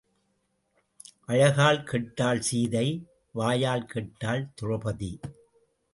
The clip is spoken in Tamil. அழகால் கெட்டாள் சீதை, வாயால் கெட்டாள் திரெளபதி.